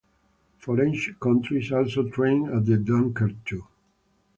Foreign countries also train at the dunker too.